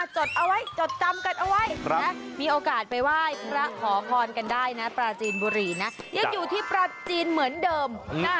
จดเอาไว้จดจำกันเอาไว้มีโอกาสไปไหว้พระขอพรกันได้นะปราจีนบุรีนะยังอยู่ที่ปราจีนเหมือนเดิม